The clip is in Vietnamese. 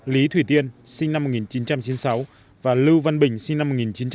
lý thủy tiên sinh năm một nghìn chín trăm chín mươi sáu và lưu văn bình sinh năm một nghìn chín trăm chín mươi